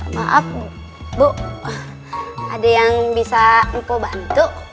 maaf bu ada yang bisa mpobantu